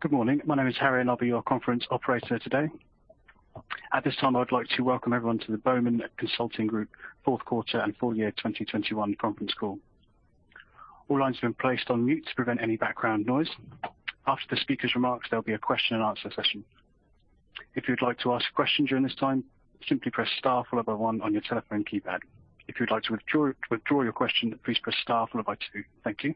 Good morning. My name is Harry, and I'll be your conference operator today. At this time, I would like to welcome everyone to the Bowman Consulting Group Fourth Quarter and Full Year 2021 Conference Call. All lines have been placed on mute to prevent any background noise. After the speaker's remarks, there'll be a Q&A session. If you'd like to ask a question during this time, simply press star followed by one on your telephone keypad. If you'd like to withdraw your question, please press star followed by two. Thank you.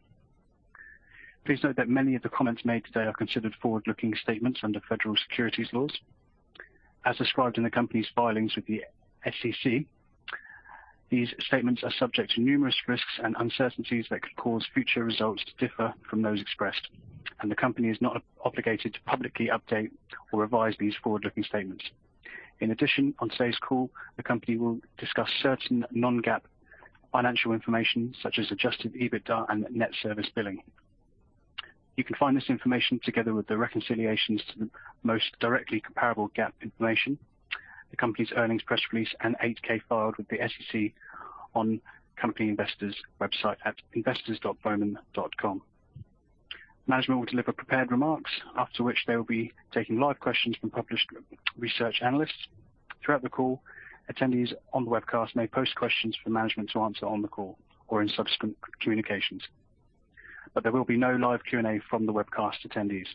Please note that many of the comments made today are considered forward-looking statements under federal securities laws. As described in the company's filings with the SEC, these statements are subject to numerous risks and uncertainties that could cause future results to differ from those expressed, and the company is not obligated to publicly update or revise these forward-looking statements. In addition, on today's call, the company will discuss certain non-GAAP financial information such as Adjusted EBITDA and Net Service Billing. You can find this information together with the reconciliations to the most directly comparable GAAP information, the company's earnings press release, and 8-K filed with the SEC on the company's investors website at investors.bowman.com. Management will deliver prepared remarks, after which they will be taking live questions from published research analysts. Throughout the call, attendees on the webcast may post questions for management to answer on the call or in subsequent communications. There will be no live Q&A from the webcast attendees.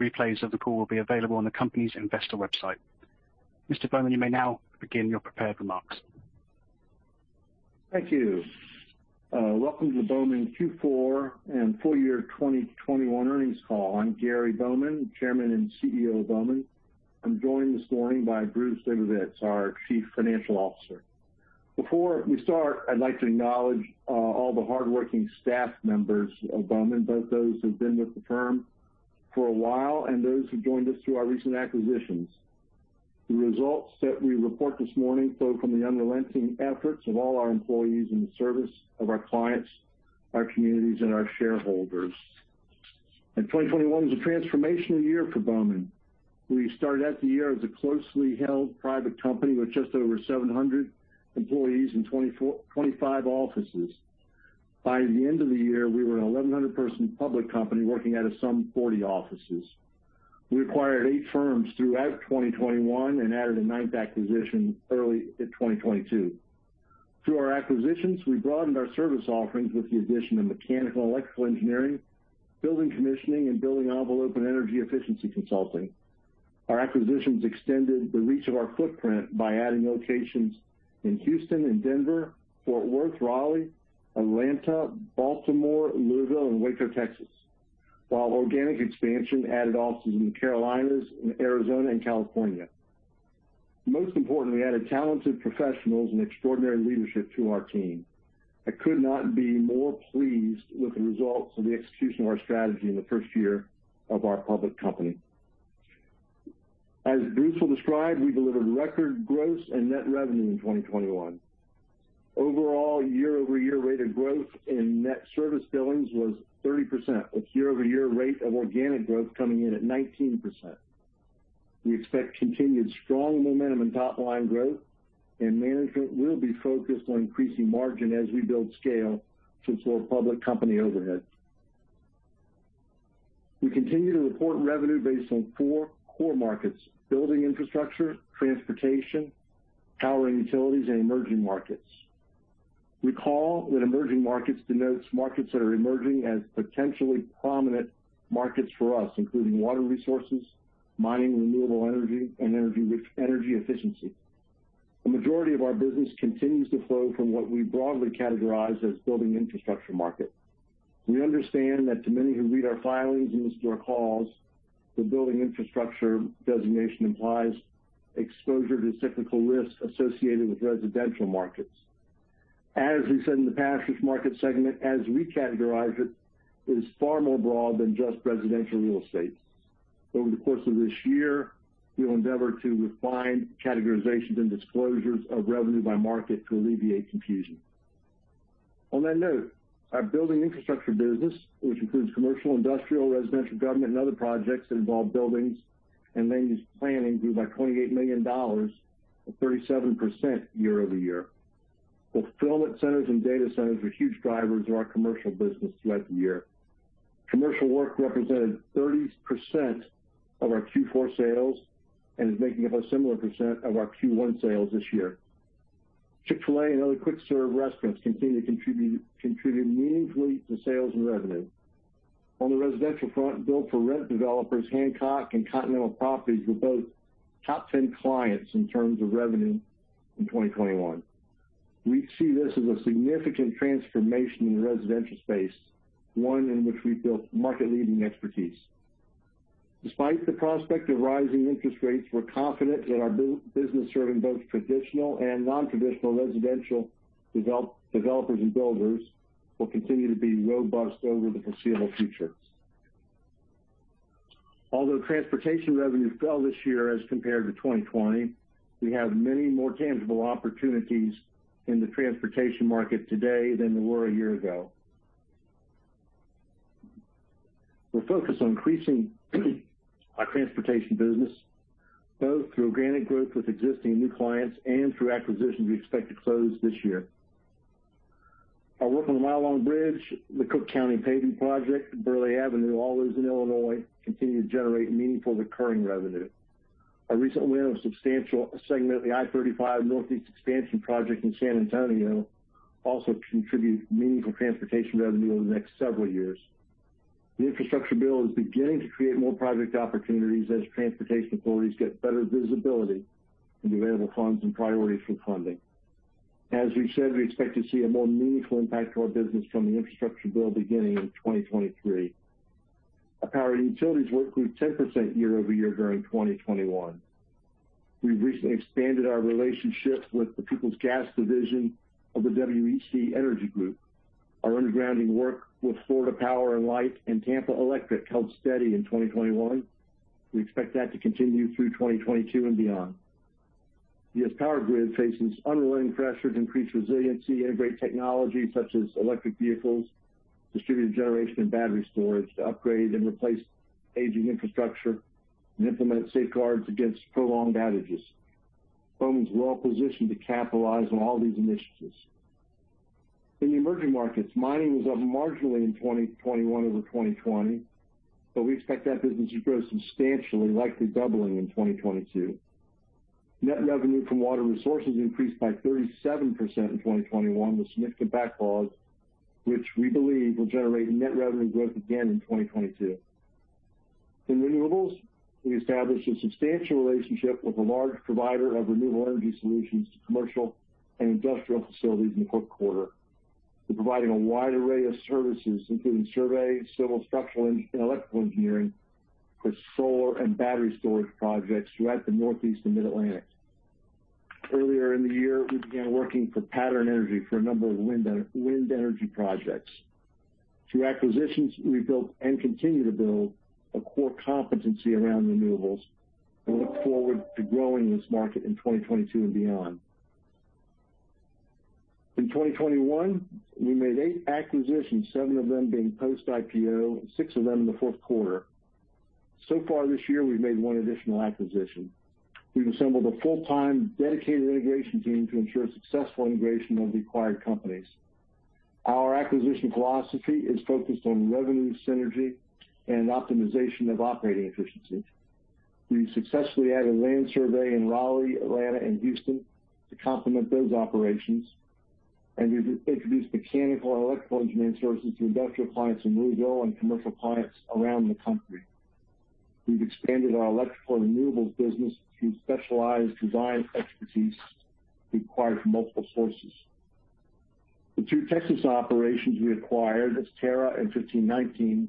Replays of the call will be available on the company's investor website. Mr. Bowman, you may now begin your prepared remarks. Thank you. Welcome to the Bowman Q4 and Full Year 2021 Earnings Call. I'm Gary Bowman, Chairman and CEO of Bowman. I'm joined this morning by Bruce Labovitz, our Chief Financial Officer. Before we start, I'd like to acknowledge all the hardworking staff members of Bowman, both those who've been with the firm for a while and those who joined us through our recent acquisitions. The results that we report this morning flow from the unrelenting efforts of all our employees in the service of our clients, our communities, and our shareholders. 2021 was a transformational year for Bowman. We started out the year as a closely held private company with just over 700 employees in 25 offices. By the end of the year, we were a 1,100-person public company working out of some 40 offices. We acquired eight firms throughout 2021 and added a ninth acquisition early in 2022. Through our acquisitions, we broadened our service offerings with the addition of mechanical electrical engineering, building commissioning, and building envelope and energy efficiency consulting. Our acquisitions extended the reach of our footprint by adding locations in Houston and Denver, Fort Worth, Raleigh, Atlanta, Baltimore, Louisville, and Waco, Texas. While organic expansion added offices in the Carolinas and Arizona and California. Most importantly, we added talented professionals and extraordinary leadership to our team. I could not be more pleased with the results of the execution of our strategy in the first year of our public company. As Bruce will describe, we delivered record gross and net revenue in 2021. Overall, year-over-year rate of growth in Net Service Billings was 30%, with year-over-year rate of organic growth coming in at 19%. We expect continued strong momentum in top-line growth, and management will be focused on increasing margin as we build scale to support public company overhead. We continue to report revenue based on four core markets: Building Infrastructure, Transportation, Power & Utilities, and Emerging Markets. Recall that Emerging Markets denotes markets that are emerging as potentially prominent markets for us, including Water Resources, Mining, renewable energy, and energy efficiency. A majority of our business continues to flow from what we broadly categorize as Building Infrastructure market. We understand that to many who read our filings and listen to our calls, the Building Infrastructure designation implies exposure to cyclical risks associated with residential markets. As we said in the past, this market segment, as we categorize it, is far more broad than just residential real estate. Over the course of this year, we will endeavor to refine categorizations and disclosures of revenue by market to alleviate confusion. On that note, our Building Infrastructure business, which includes commercial, industrial, residential, government, and other projects that involve buildings and land use planning, grew by $28 million or 37% year-over-year. Fulfillment centers and data centers were huge drivers of our commercial business throughout the year. Commercial work represented 30% of our Q4 sales and is making up a similar percent of our Q1 sales this year. Chick-fil-A and other quick serve restaurants continue to contribute meaningfully to sales and revenue. On the residential front, build for rent developers, Hancock and Continental Properties were both top 10 clients in terms of revenue in 2021. We see this as a significant transformation in the residential space, one in which we've built market leading expertise. Despite the prospect of rising interest rates, we're confident that our business serving both traditional and non-traditional residential developers and builders will continue to be robust over the foreseeable future. Although Transportation revenue fell this year as compared to 2020, we have many more tangible opportunities in the Transportation market today than we were a year ago. We're focused on increasing our Transportation business, both through organic growth with existing new clients and through acquisitions we expect to close this year. Our work on the Mile Long Bridge, the Cook County Paving Project, and Burley Avenue, all those in Illinois, continue to generate meaningful recurring revenue. Our recent win of a substantial segment of the I-35 Northeast Expansion Project in San Antonio also contribute meaningful Transportation revenue over the next several years. The infrastructure bill is beginning to create more project opportunities as Transportation authorities get better visibility in available funds and priorities for funding. We've said we expect to see a more meaningful impact to our business from the infrastructure bill beginning in 2023. Our power and utilities work grew 10% year-over-year during 2021. We recently expanded our relationship with the Peoples Gas division of the WEC Energy Group. Our undergrounding work with Florida Power & Light and Tampa Electric held steady in 2021. We expect that to continue through 2022 and beyond. The U.S. power grid faces unrelenting pressures to increase resiliency, to integrate technology such as electric vehicles, distributed generation and battery storage, to upgrade and replace aging infrastructure and implement safeguards against prolonged outages. Bowman is well-positioned to capitalize on all these initiatives. In the Emerging Markets, Mining was up marginally in 2021 over 2020, but we expect that business to grow substantially, likely doubling in 2022. Net revenue from Water Resources increased by 37% in 2021, with significant backlogs which we believe will generate net revenue growth again in 2022. In renewables, we established a substantial relationship with a large provider of renewable energy solutions to commercial and industrial facilities in the fourth quarter. We're providing a wide array of services, including survey, civil, structural, and electrical engineering for solar and battery storage projects throughout the Northeast and Mid-Atlantic. Earlier in the year, we began working for Pattern Energy for a number of wind energy projects. Through acquisitions, we built and continue to build a core competency around renewables and look forward to growing this market in 2022 and beyond. In 2021, we made eight acquisitions, seven of them being post-IPO, and six of them in the fourth quarter. Far this year, we've made one additional acquisition. We've assembled a full-time dedicated integration team to ensure successful integration of the acquired companies. Our acquisition philosophy is focused on revenue synergy and optimization of operating efficiencies. We've successfully added land survey in Raleigh, Atlanta, and Houston to complement those operations, and we've introduced mechanical and electrical engineering services to industrial clients in Louisville and commercial clients around the country. We've expanded our electrical and renewables business through specialized design expertise required from multiple sources. The two Texas operations we acquired, Astera and 1519,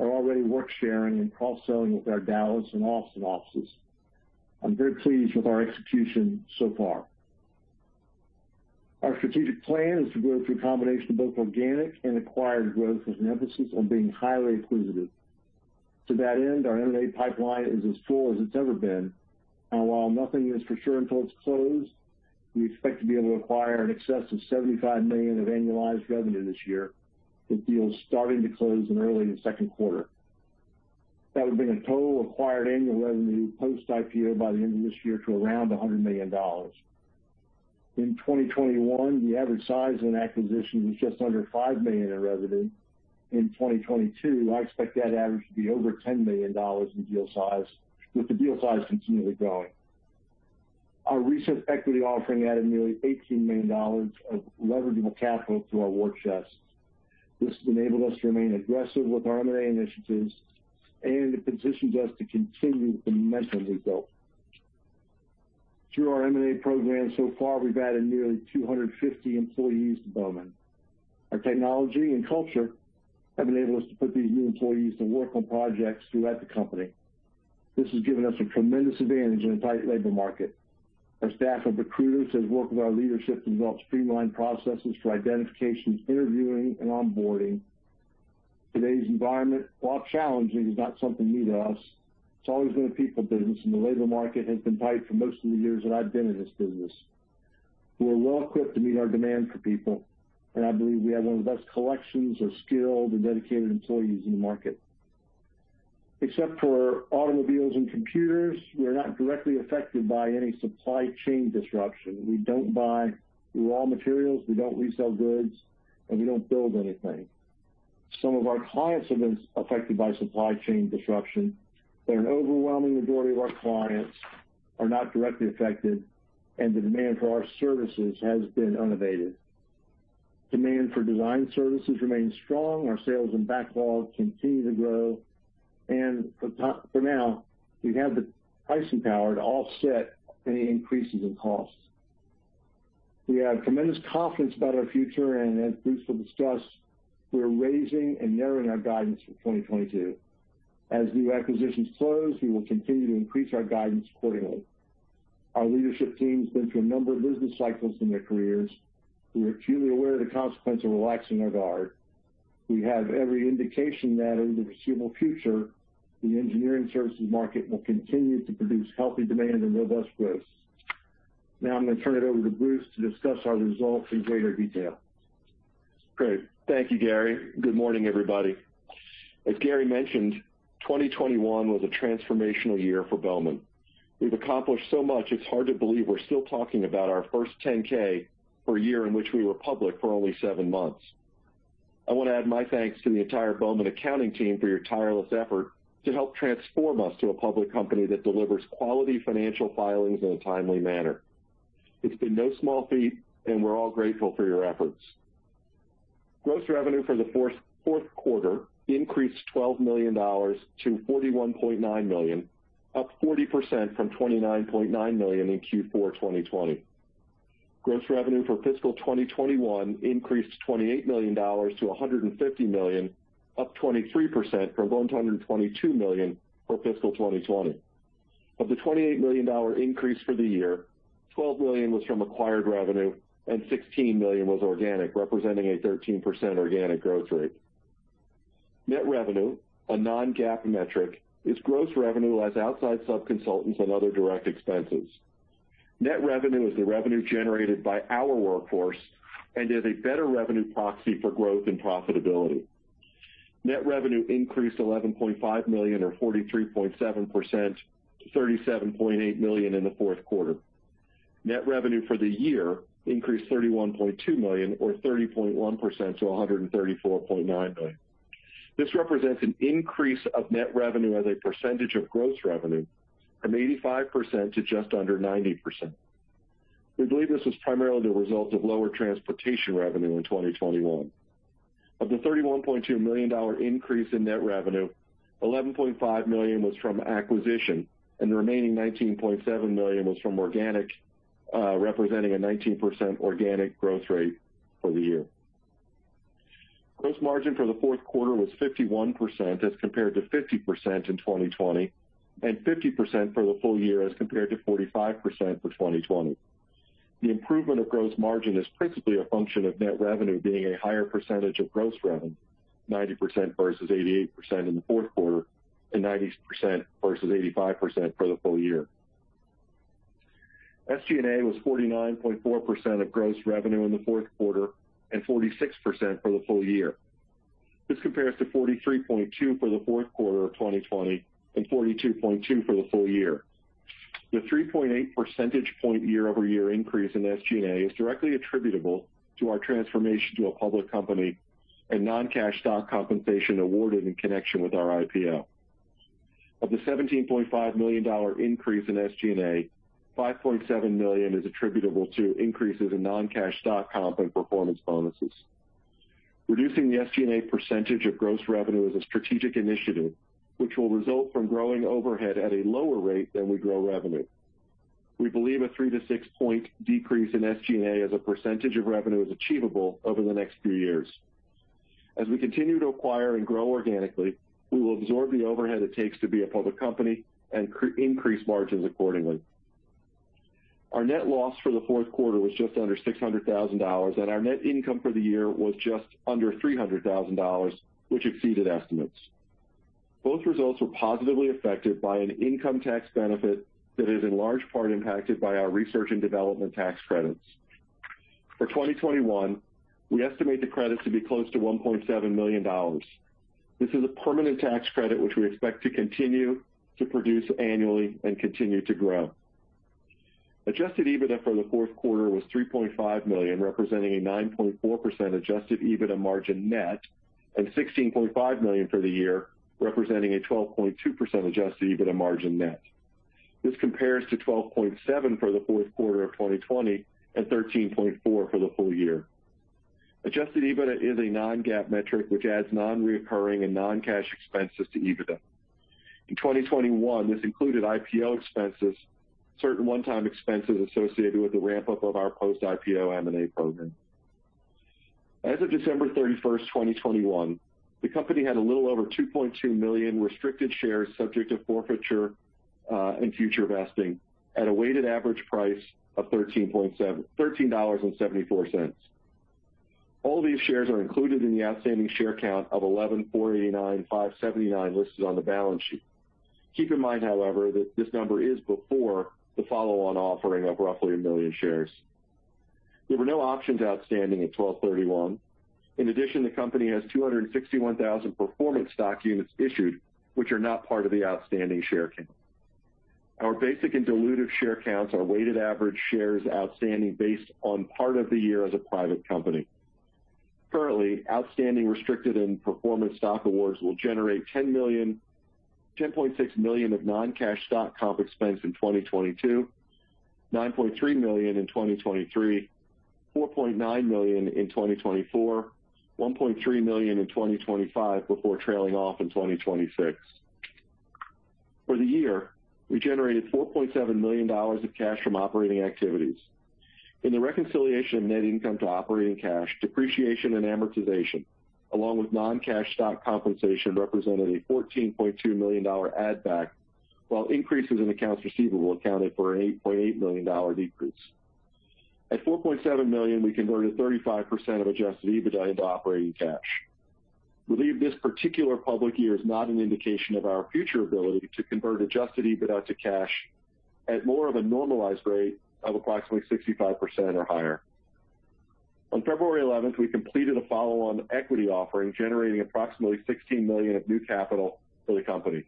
are already work-sharing and cross-selling with our Dallas and Austin offices. I'm very pleased with our execution so far. Our strategic plan is to grow through a combination of both organic and acquired growth, with an emphasis on being highly accretive. To that end, our M&A pipeline is as full as it's ever been, and while nothing is for sure until it's closed, we expect to be able to acquire in excess of $75 million of annualized revenue this year, with deals starting to close in early second quarter. That would bring a total acquired annual revenue post-IPO by the end of this year to around $100 million. In 2021, the average size of an acquisition was just under $5 million in revenue. In 2022, I expect that average to be over $10 million in deal size, with the deal size continually growing. Our recent equity offering added nearly $18 million of leverageable capital to our war chest. This has enabled us to remain aggressive with our M&A initiatives, and it positions us to continue the momentum we've built. Through our M&A program so far, we've added nearly 250 employees to Bowman. Our technology and culture have enabled us to put these new employees to work on projects throughout the company. This has given us a tremendous advantage in a tight labor market. Our staff of recruiters has worked with our leadership to develop streamlined processes for identification, interviewing, and onboarding. Today's environment, while challenging, is not something new to us. It's always been a people business, and the labor market has been tight for most of the years that I've been in this business. We are well-equipped to meet our demand for people, and I believe we have one of the best collections of skilled and dedicated employees in the market. Except for automobiles and computers, we are not directly affected by any supply chain disruption. We don't buy raw materials, we don't resell goods, and we don't build anything. Some of our clients have been affected by supply chain disruption, but an overwhelming majority of our clients are not directly affected, and the demand for our services has been unabated. Demand for design services remains strong. Our sales and backlogs continue to grow. For now, we have the pricing power to offset any increases in costs. We have tremendous confidence about our future, and as Bruce will discuss, we are raising and narrowing our guidance for 2022. As new acquisitions close, we will continue to increase our guidance quarterly. Our leadership team's been through a number of business cycles in their careers. We are acutely aware of the consequence of relaxing our guard. We have every indication that in the foreseeable future, the engineering services market will continue to produce healthy demand and robust growth. Now I'm gonna turn it over to Bruce to discuss our results in greater detail. Great. Thank you, Gary. Good morning, everybody. As Gary mentioned, 2021 was a transformational year for Bowman. We've accomplished so much, it's hard to believe we're still talking about our first 10-K for a year in which we were public for only seven months. I wanna add my thanks to the entire Bowman accounting team for your tireless effort to help transform us to a public company that delivers quality financial filings in a timely manner. It's been no small feat, and we're all grateful for your efforts. Gross revenue for the fourth quarter increased $12 million to $41.9 million, up 40% from $29.9 million in Q4 2020. Gross revenue for Fiscal 2021 increased $28 million to $150 million, up 23% from $122 million for Fiscal 2020. Of the $28 million increase for the year, $12 million was from acquired revenue and $16 million was organic, representing a 13% organic growth rate. Net revenue, a non-GAAP metric, is gross revenue less outside sub-consultants and other direct expenses. Net revenue is the revenue generated by our workforce and is a better revenue proxy for growth and profitability. Net revenue increased $11.5 million or 43.7% to $37.8 million in the fourth quarter. Net revenue for the year increased $31.2 million or 30.1% to $134.9 million. This represents an increase of net revenue as a percentage of gross revenue from 85% to just under 90%. We believe this is primarily the result of lower Transportation revenue in 2021. Of the $31.2 million increase in net revenue, $11.5 million was from acquisition, and the remaining $19.7 million was from organic, representing a 19% organic growth rate for the year. Gross margin for the fourth quarter was 51% as compared to 50% in 2020, and 50% for the full year as compared to 45% for 2020. The improvement of gross margin is principally a function of net revenue being a higher percentage of gross revenue, 90% versus 88% in the fourth quarter and 90% versus 85% for the full year. SG&A was 49.4% of gross revenue in the fourth quarter and 46% for the full year. This compares to 43.2% for the fourth quarter of 2020 and 42.2% for the full year. The 3.8 percentage point year-over-year increase in SG&A is directly attributable to our transformation to a public company and non-cash stock compensation awarded in connection with our IPO. Of the $17.5 million increase in SG&A, $5.7 million is attributable to increases in non-cash stock comp and performance bonuses. Reducing the SG&A percentage of gross revenue is a strategic initiative, which will result from growing overhead at a lower rate than we grow revenue. We believe a three to six point decrease in SG&A as a percentage of revenue is achievable over the next few years. As we continue to acquire and grow organically, we will absorb the overhead it takes to be a public company and increase margins accordingly. Our net loss for the fourth quarter was just under $600,000, and our net income for the year was just under $300,000, which exceeded estimates. Both results were positively affected by an income tax benefit that is in large part impacted by our research and development tax credits. For 2021, we estimate the credits to be close to $1.7 million. This is a permanent tax credit, which we expect to continue to produce annually and continue to grow. Adjusted EBITDA for the fourth quarter was $3.5 million, representing a 9.4% adjusted EBITDA margin net, and $16.5 million for the year, representing a 12.2% adjusted EBITDA margin net. This compares to 12.7% for the fourth quarter of 2020 and 13.4% for the full year. Adjusted EBITDA is a non-GAAP metric which adds non-recurring and non-cash expenses to EBITDA. In 2021, this included IPO expenses, certain one-time expenses associated with the ramp-up of our post-IPO M&A program. As of December 31st, 2021, the company had a little over 2.2 million restricted shares subject to forfeiture, and future vesting at a weighted average price of $13.74. All these shares are included in the outstanding share count of 11,489,579 listed on the balance sheet. Keep in mind, however, that this number is before the follow-on offering of roughly 1 million shares. There were no options outstanding at 12/31. In addition, the company has 261,000 performance stock units issued, which are not part of the outstanding share count. Our basic and dilutive share counts are weighted average shares outstanding based on part of the year as a private company. Currently, outstanding restricted and performance stock awards will generate 10 million—10.6 million of non-cash stock comp expense in 2022, 9.3 million in 2023, 4.9 million in 2024, 1.3 million in 2025, before trailing off in 2026. For the year, we generated $4.7 million of cash from operating activities. In the reconciliation of net income to operating cash, depreciation and amortization, along with non-cash stock compensation, represented a $14.2 million add back, while increases in accounts receivable accounted for an $8.8 million decrease. At $4.7 million, we converted 35% of Adjusted EBITDA into operating cash. We believe this particular public year is not an indication of our future ability to convert adjusted EBITDA to cash at more of a normalized rate of approximately 65% or higher. On February 11, we completed a follow-on equity offering, generating approximately $16 million of new capital for the company.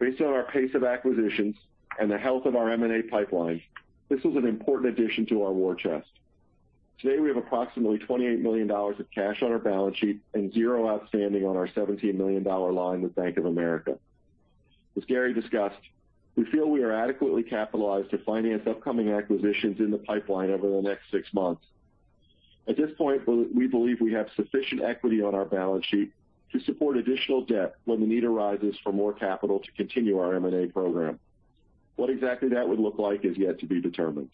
Based on our pace of acquisitions and the health of our M&A pipeline, this was an important addition to our war chest. Today, we have approximately $28 million of cash on our balance sheet and zero outstanding on our $17 million line with Bank of America. As Gary discussed, we feel we are adequately capitalized to finance upcoming acquisitions in the pipeline over the next six months. At this point, we believe we have sufficient equity on our balance sheet to support additional debt when the need arises for more capital to continue our M&A program. What exactly that would look like is yet to be determined.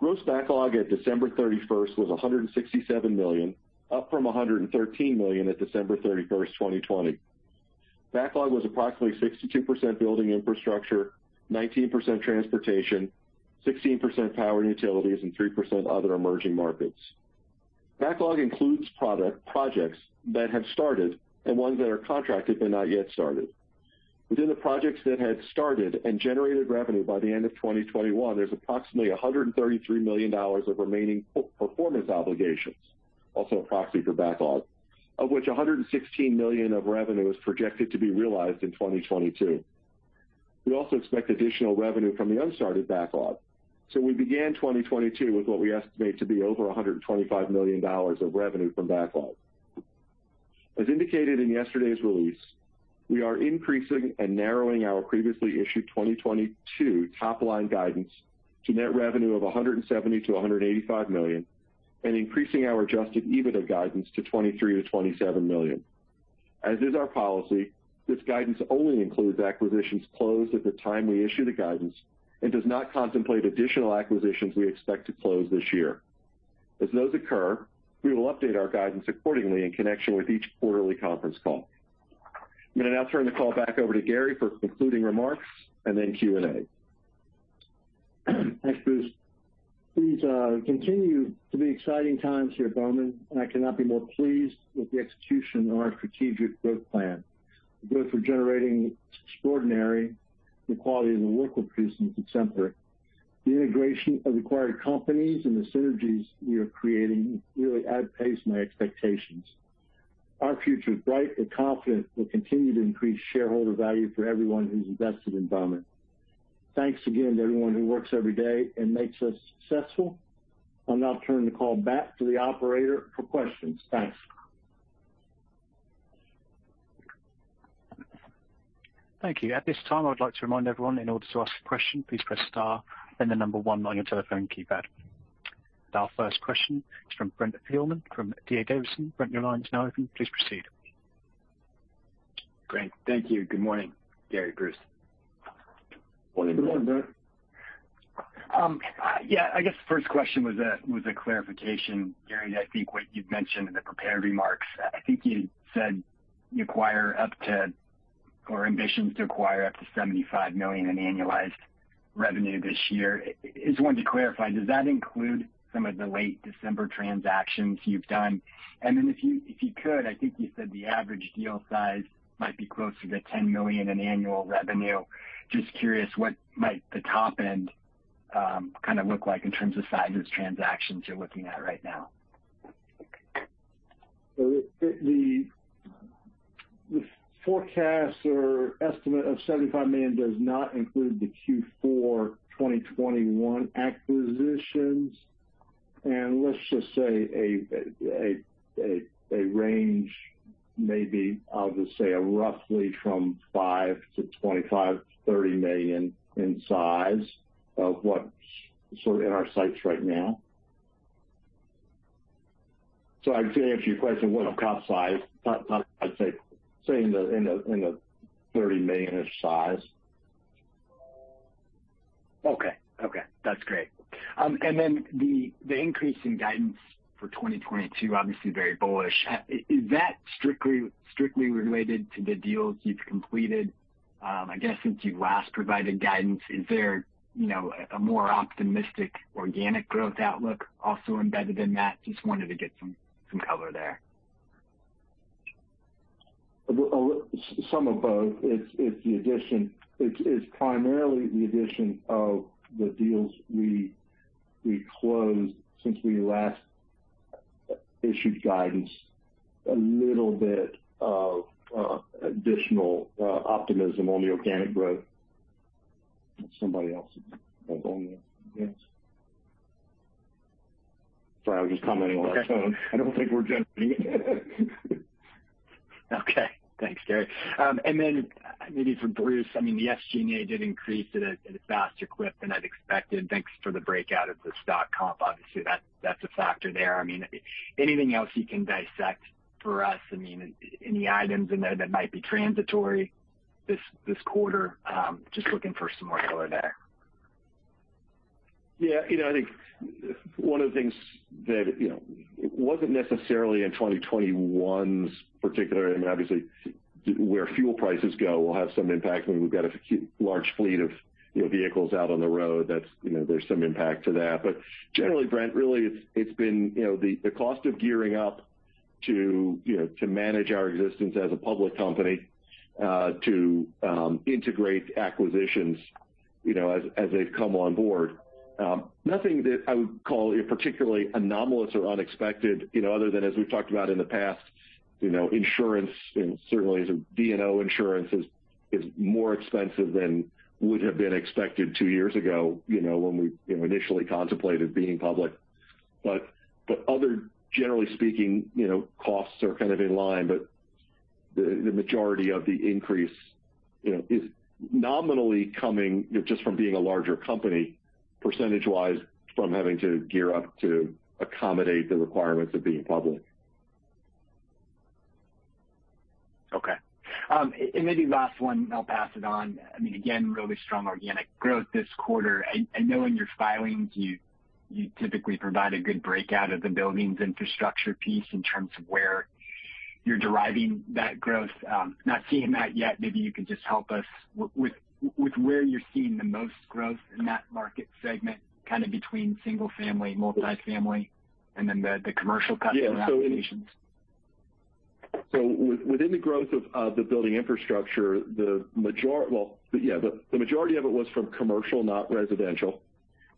Gross backlog at December 31st was $167 million, up from $113 million at December 31st, 2020. Backlog was approximately 62% Building Infrastructure, 19% Transportation, 16% Power & Utilities, and 3% other Emerging Markets. Backlog includes projects that have started and ones that are contracted but not yet started. Within the projects that had started and generated revenue by the end of 2021, there's approximately $133 million of remaining performance obligations, also a proxy for backlog, of which $116 million of revenue is projected to be realized in 2022. We also expect additional revenue from the unstarted backlog, so we began 2022 with what we estimate to be over $125 million of revenue from backlog. As indicated in yesterday's release, we are increasing and narrowing our previously issued 2022 top-line guidance to net revenue of $170 million-$185 million and increasing our adjusted EBITDA guidance to $23 million-$27 million. As is our policy, this guidance only includes acquisitions closed at the time we issue the guidance and does not contemplate additional acquisitions we expect to close this year. As those occur, we will update our guidance accordingly in connection with each quarterly conference call. I'm gonna now turn the call back over to Gary for concluding remarks and then Q&A. Thanks, Bruce. These continue to be exciting times here at Bowman, and I cannot be more pleased with the execution of our strategic growth plan. The growth we're generating is extraordinary. The quality of the work we're producing is exemplary. The integration of acquired companies and the synergies we are creating really outpaced my expectations. Our future is bright, and I'm confident we'll continue to increase shareholder value for everyone who's invested in Bowman. Thanks again to everyone who works every day and makes us successful. I'll now turn the call back to the operator for questions. Thanks. Thank you. At this time, I would like to remind everyone, in order to ask a question, please press star then the number one on your telephone keypad. Our first question is from Brent Thielman from D.A. Davidson. Brent, your line is now open. Please proceed. Great. Thank you. Good morning, Gary, Bruce. Morning, good morning, Brent. Yeah, I guess the first question was a clarification, Gary. I think what you'd mentioned in the prepared remarks, I think you said you have ambitions to acquire up to $75 million in annualized revenue this year. I just wanted to clarify, does that include some of the late December transactions you've done? Then if you could, I think you said the average deal size might be closer to $10 million in annual revenue. Just curious what might the top end kind of look like in terms of size of transactions you're looking at right now. The forecast or estimate of $75 million does not include the Q4 2021 acquisitions. Let's just say a range maybe of, let's say, roughly from $5 million to $25 million-$30 million in size of what's sort of in our sights right now. To answer your question, what top size? I'd say in the $30 million-ish size. Okay. That's great. The increase in guidance for 2022, obviously very bullish. Is that strictly related to the deals you've completed, I guess since you've last provided guidance? Is there, you know, a more optimistic organic growth outlook also embedded in that? Just wanted to get some color there. Some of both. It's primarily the addition of the deals we closed since we last issued guidance. A little bit of additional optimism on the organic growth. Somebody else is on the line. Sorry, I was just commenting on my phone. I don't think we're generating it. Okay. Thanks, Gary. Maybe for Bruce, I mean, the SG&A did increase at a faster clip than I'd expected. Thanks for the breakout of the stock comp. Obviously, that's a factor there. I mean, anything else you can dissect for us? I mean, any items in there that might be transitory this quarter? Just looking for some more color there. Yeah. You know, I think one of the things that, you know, wasn't necessarily in 2021 in particular, I mean, obviously, where fuel prices go will have some impact. I mean, we've got a large fleet of, you know, vehicles out on the road. That's, you know, there is some impact to that. But generally, Brent, really it's been, you know, the cost of gearing up to, you know, to manage our existence as a public company, to integrate acquisitions, you know, as they've come on board. Nothing that I would call particularly anomalous or unexpected, you know, other than as we've talked about in the past, you know, insurance and certainly D&O insurance is more expensive than would have been expected two years ago, you know, when we, you know, initially contemplated being public. Other, generally speaking, you know, costs are kind of in line, but the majority of the increase, you know, is nominally coming just from being a larger company, percentage-wise, from having to gear up to accommodate the requirements of being public. Okay. Maybe last one, I'll pass it on. I mean, again, really strong organic growth this quarter. Knowing your filings, you typically provide a good breakout of the Building Infrastructure piece in terms of where you're deriving that growth. Not seeing that yet. Maybe you could just help us with where you're seeing the most growth in that market segment, kind of between single-family, multifamily, and then the commercial customer applications. Within the growth of the Building Infrastructure, the majority of it was from commercial, not residential.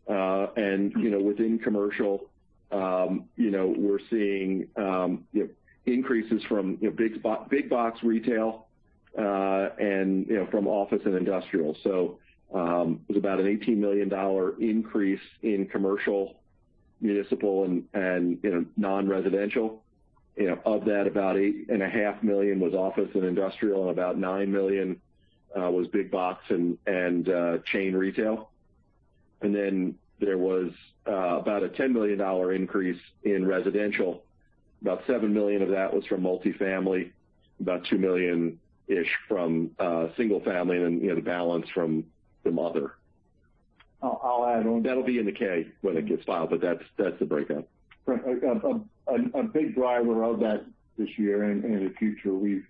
Within commercial, we're seeing increases from big box retail, and from office and industrial. It was about a $18 million increase in commercial, municipal, and non-residential. Of that, about $8.5 million was office and industrial, and about $9 million was big box and chain retail. There was about a $10 million increase in residential. About $7 million of that was from multifamily, about $2 million-ish from single-family, and the balance from the other. I'll add on. That'll be in the 10-K when it gets filed, but that's the breakdown. Brent, a big driver of that this year and in the future, we've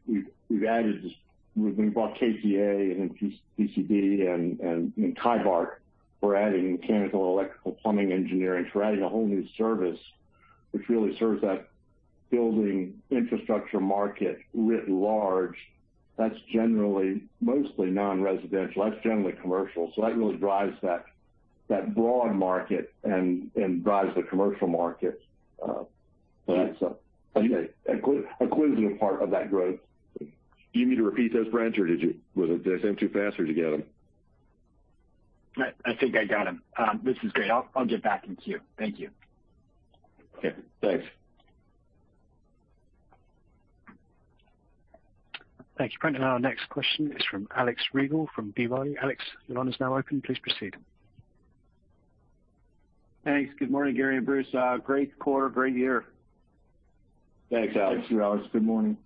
added this. We've bought KTA and TSD and Kibart. We're adding mechanical, electrical, plumbing, engineering. We're adding a whole new service which really serves that Building Infrastructure market writ large. That's generally mostly non-residential. That's generally commercial. That really drives that broad market and drives the commercial market. That's a quasi part of that growth. You need to repeat those, Brent, or did you? Did I say them too fast or did you get them? I think I got them. This is great. I'll get back in queue. Thank you. Okay, thanks. Thank you, Brent. Our next question is from Alex Rygiel from B. Riley. Alex, your line is now open. Please proceed. Thanks. Good morning, Gary and Bruce. Great quarter, great year. Thanks, Alex. Thank you, Alex. Good morning.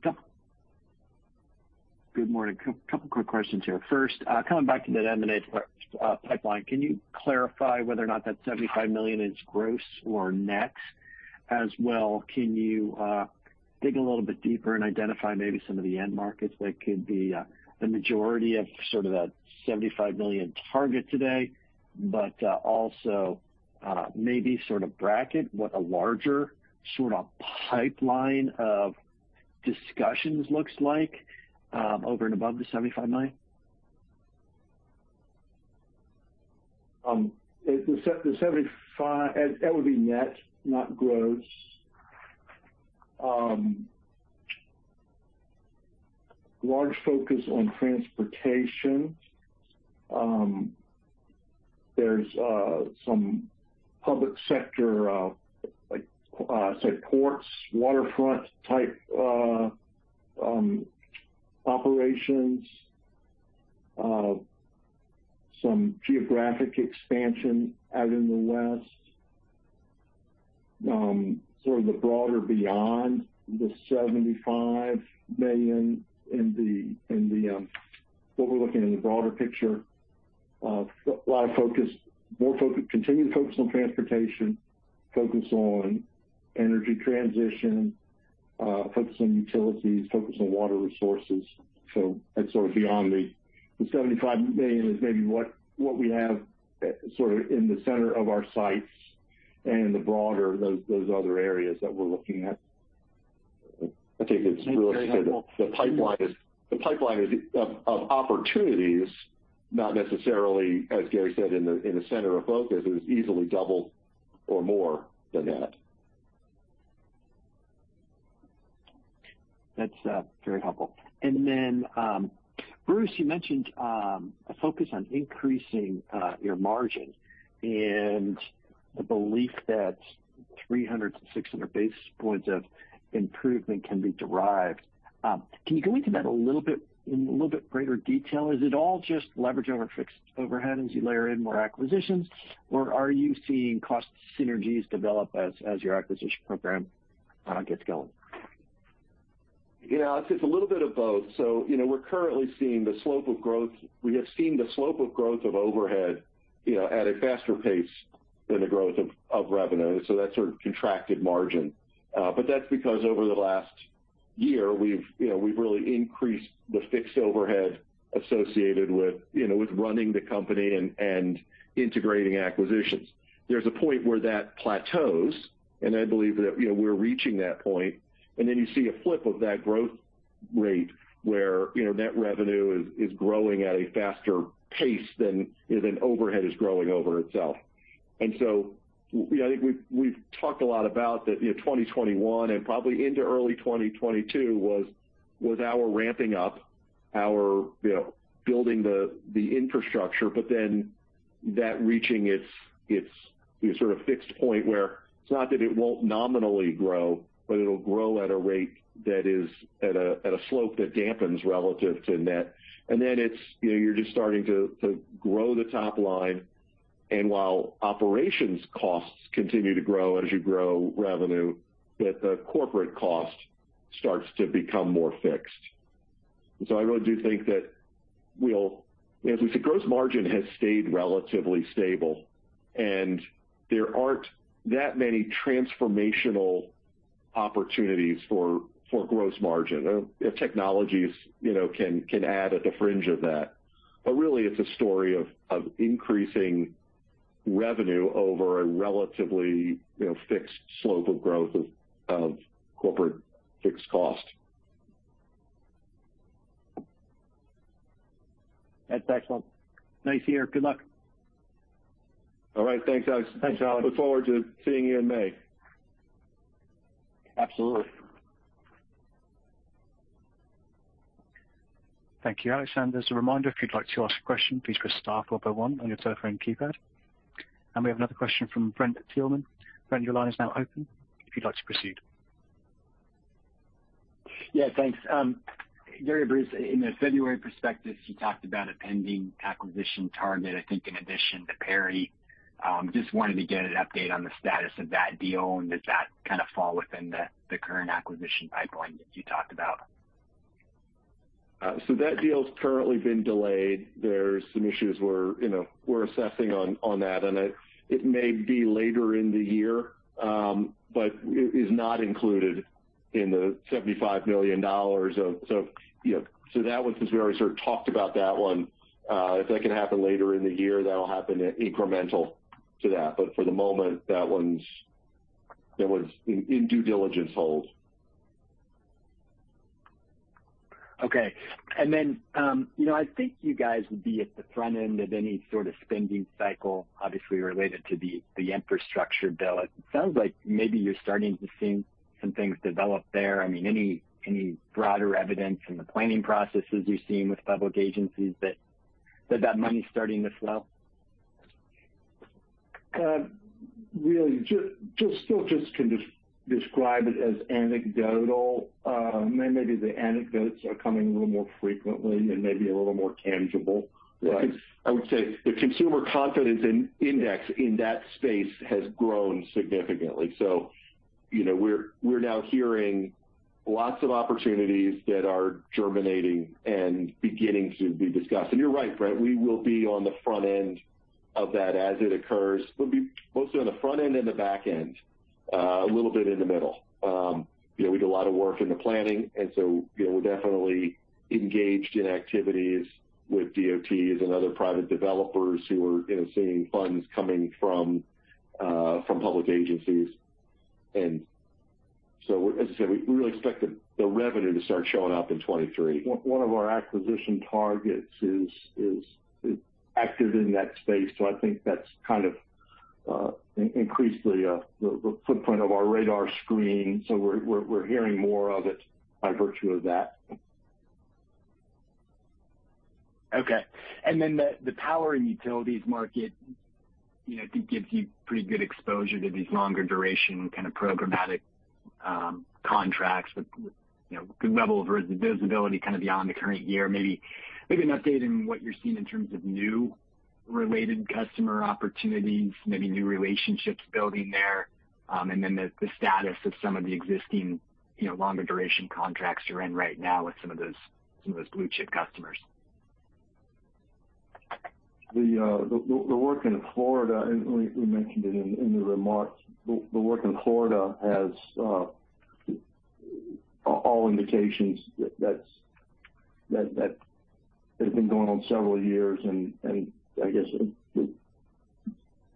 Good morning. A couple quick questions here. First, coming back to that M&A pipeline, can you clarify whether or not that $75 million is gross or net? As well, can you dig a little bit deeper and identify maybe some of the end markets that could be the majority of sort of that $75 million target today, but also maybe sort of bracket what a larger sort of pipeline of discussions looks like over and above the $75 million? The $75 million, that would be net, not gross. Large focus on Transportation. There's some public sector, say, ports, waterfront type operations. Some geographic expansion out in the West. Sort of the broader beyond the $75 million in the what we're looking in the broader picture. Continued focus on Transportation, focus on energy transition, focus on utilities, focus on Water Resources. That's sort of beyond the $75 million is maybe what we have sort of in the center of our sights and the broader those other areas that we're looking at. I think it's really the pipeline is of opportunities, not necessarily, as Gary said, in the center of focus, is easily double or more than that. That's very helpful. Bruce, you mentioned a focus on increasing your margin and the belief that 300-600 basis points of improvement can be derived. Can you go into that a little bit, in a little bit greater detail? Is it all just leverage over fixed overhead as you layer in more acquisitions, or are you seeing cost synergies develop as your acquisition program gets going? You know, it's a little bit of both. You know, we're currently seeing the slope of growth. We have seen the slope of growth of overhead, you know, at a faster pace than the growth of revenue. That sort of contracted margin. But that's because over the last year, we've, you know, we've really increased the fixed overhead associated with, you know, with running the company and integrating acquisitions. There's a point where that plateaus, and I believe that, you know, we're reaching that point, and then you see a flip of that growth rate where, you know, net revenue is growing at a faster pace than overhead is growing over itself. I think we've talked a lot about that, you know, 2021 and probably into early 2022 was our ramping up our, you know, building the infrastructure, but then that reaching its sort of fixed point where it's not that it won't nominally grow, but it'll grow at a rate that is at a slope that dampens relative to net. It's, you know, you're just starting to grow the top line. While operations costs continue to grow as you grow revenue, the corporate cost starts to become more fixed. I really do think that we'll. As we said, gross margin has stayed relatively stable, and there aren't that many transformational opportunities for gross margin. Technologies, you know, can add at the fringe of that. Really, it's a story of increasing revenue over a relatively, you know, fixed slope of growth of corporate fixed cost. That's excellent. Nice to hear. Good luck. All right. Thanks, Alex. Thanks, Alex. Look forward to seeing you in May. Absolutely. Thank you, Alex. As a reminder, if you'd like to ask a question, please press star followed by one on your telephone keypad. We have another question from Brent Thielman. Brent, your line is now open if you'd like to proceed. Yeah, thanks. Gary, Bruce, in the February perspective, you talked about a pending acquisition target, I think in addition to Perry. Just wanted to get an update on the status of that deal and does that kind of fall within the current acquisition pipeline that you talked about? That deal's currently been delayed. There's some issues we're, you know, assessing on that. It may be later in the year, but it is not included in the $75 million of. You know, that one, since we already sort of talked about that one, if that can happen later in the year, that'll happen incremental to that. But for the moment, that one's in due diligence hold. Okay. Then, you know, I think you guys would be at the front end of any sort of spending cycle, obviously related to the infrastructure bill. It sounds like maybe you're starting to see some things develop there. I mean, any broader evidence in the planning processes you're seeing with public agencies that money's starting to flow? Really just still just can describe it as anecdotal. Maybe the anecdotes are coming a little more frequently and maybe a little more tangible. Right. I would say the consumer confidence index in that space has grown significantly. You know, we're now hearing lots of opportunities that are germinating and beginning to be discussed. You're right, Brent. We will be on the front end of that as it occurs. We'll be mostly on the front end and the back end, a little bit in the middle. You know, we do a lot of work in the planning, you know, we're definitely engaged in activities with DOTs and other private developers who are, you know, seeing funds coming from from public agencies. As I said, we really expect the revenue to start showing up in 2023. One of our acquisition targets is active in that space. I think that's kind of increased the footprint of our radar screen. We're hearing more of it by virtue of that. Okay. The Power & Utilities market, you know, I think gives you pretty good exposure to these longer duration kind of programmatic contracts with, you know, good level of visibility kind of beyond the current year. Maybe an update in what you're seeing in terms of new related customer opportunities, maybe new relationships building there, and then the status of some of the existing, you know, longer duration contracts you're in right now with some of those blue chip customers. The work in Florida, we mentioned it in the remarks. The work in Florida has all indications that that has been going on several years and I guess it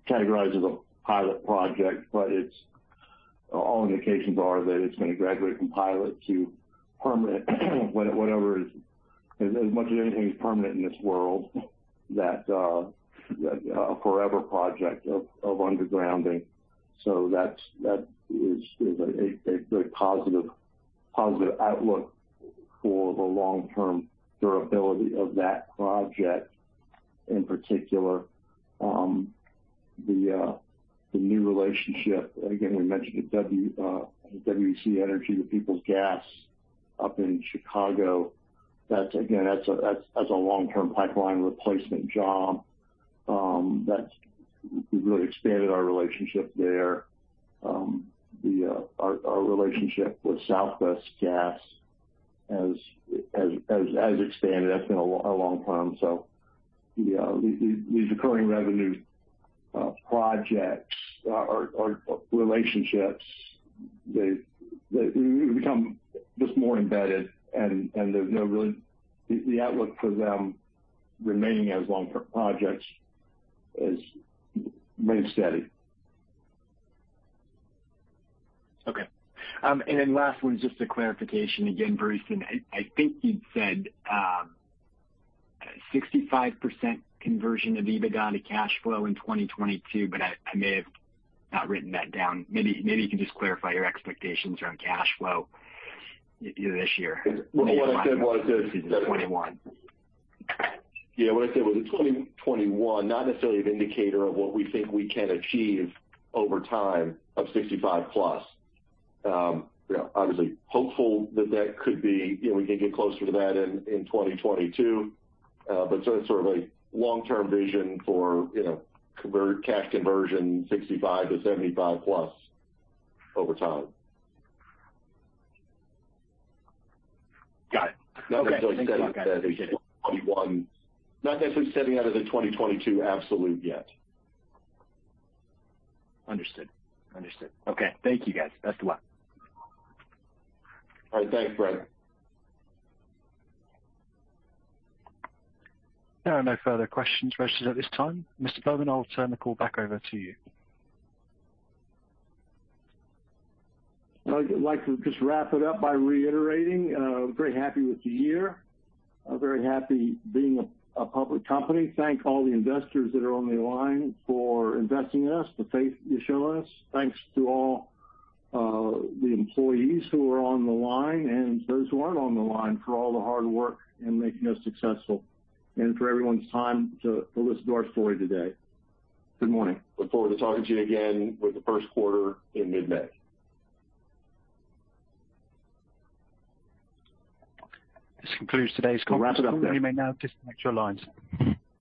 categorizes a pilot project, but all indications are that it's going to graduate from pilot to permanent. As much as anything is permanent in this world, that a forever project of undergrounding. That is a very positive outlook for the long-term durability of that project. In particular, the new relationship. Again, we mentioned WEC Energy, the Peoples Gas up in Chicago. That's again, that's a long-term pipeline replacement job that we really expanded our relationship there. Our relationship with Southwest Gas has expanded. That's been a long time. You know, these recurring revenues, projects or relationships, they've become just more embedded and there's no really. The outlook for them remaining as long-term projects is mainstay. Okay. Last one is just a clarification again, Bruce. I think you'd said 65% conversion of EBITDA to cash flow in 2022, but I may have not written that down. Maybe you can just clarify your expectations around cash flow year-over-year this year. What I said was. 2021. Yeah. What I said was in 2021, not necessarily an indicator of what we think we can achieve over time of 65%+. You know, obviously hopeful that that could be, you know, we can get closer to that in 2022. But sort of a long-term vision for, you know, cash conversion 65%-75%+ over time. Got it. Okay. Not necessarily setting that as the 2021. Not necessarily setting outside the 2022 absolute yet. Understood. Okay. Thank you, guys. Best of luck. All right. Thanks, Brent. There are no further questions registered at this time. Mr. Bowman, I'll turn the call back over to you. I'd like to just wrap it up by reiterating very happy with the year. Very happy being a public company. Thank all the investors that are on the line for investing in us, the faith you show in us. Thanks to all the employees who are on the line and those who aren't on the line for all the hard work in making us successful and for everyone's time to listen to our story today. Good morning. Look forward to talking to you again with the first quarter in mid-May. This concludes today's call. Wrap it up there. You may now disconnect your lines.